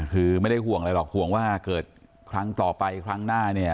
คือไม่ได้ห่วงอะไรหรอกห่วงว่าเกิดครั้งต่อไปครั้งหน้าเนี่ย